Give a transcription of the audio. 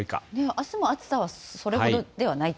あすも暑さはそれほどではないと？